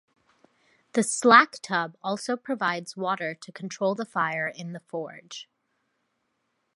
The slack tub also provides water to control the fire in the forge.